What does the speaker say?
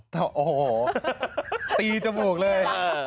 ตีจมูกเลย